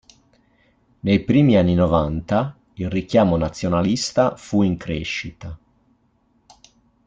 Nei primi anni novanta il richiamo nazionalista fu in crescita.